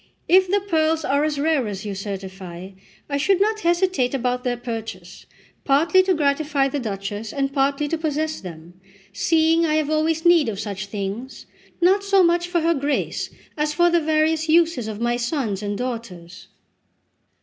If the pearls are as rare as you certify, I should not hesitate about their purchase, partly to gratify the Duchess, and partly to possess them, seeing I have always need of such things, not so much for her Grace, as for the various uses of my sons and daughters."